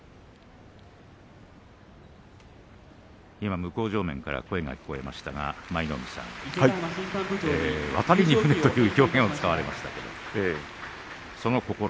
向正面から声が聞こえましたが舞の海さん、渡りに舟という表現を使われました。